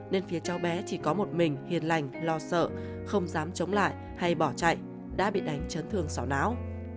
nên phía cháu bé chỉ có một mình hiền lành lo sợ không dám chống lại hay bỏ chạy đã bị đánh chấn thương sỏ não